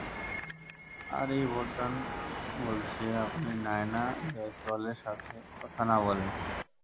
আর এই ভোটদান বলছে, আপনি নায়না জয়সওয়ালের সাথে কথা না বলেন।